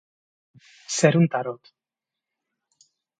Ser un tarot.